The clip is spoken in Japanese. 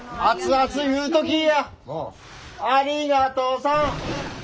ありがとさん！